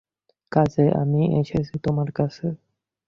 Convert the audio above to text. কাজেই আমি এসেছি তোমার কাছে!